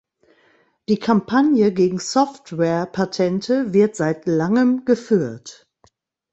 Die Kampagne gegen Softwarepatente wird seit langem geführt.